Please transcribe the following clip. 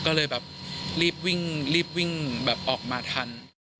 ก็เลยรีบวิ่งออกมาทัน